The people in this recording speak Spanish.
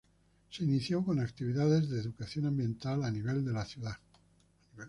Se inició con actividades de educación ambiental a nivel de la ciudad.